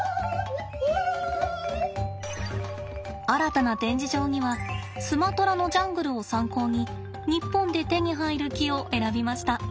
新たな展示場にはスマトラのジャングルを参考に日本で手に入る木を選びました。